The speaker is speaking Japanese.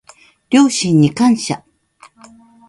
両親に感謝